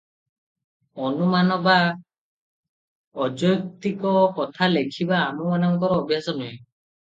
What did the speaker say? ଅନୁମାନ ବା ଅଯୌକ୍ତିକ କଥା ଲେଖିବା ଆମମାନଙ୍କର ଅଭ୍ୟାସ ନୁହେଁ ।